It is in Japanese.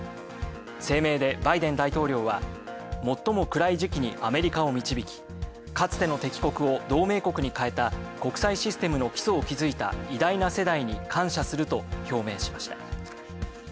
声明で、バイデン大統領は「最も暗い時期にアメリカを導き、かつての敵国を同盟国に変えた国際システムの基礎を築いた偉大な世代に感謝する」と表明しました。